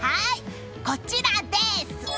こちらです！